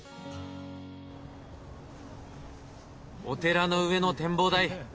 お寺の上の展望台。